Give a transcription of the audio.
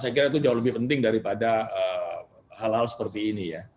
saya kira itu jauh lebih penting daripada hal hal seperti ini ya